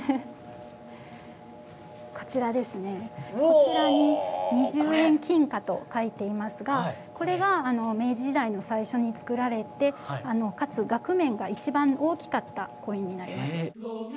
こちらに「２０円金貨」と書いていますがこれが明治時代の最初に造られてかつ額面が一番大きかったコインになります。